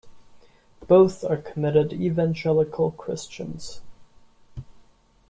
Both are committed evangelical Christians.